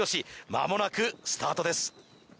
間もなくスタートです